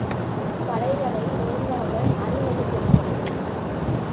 படைகளை ஒழுங்காக அணி வகுத்திருந்தனர்.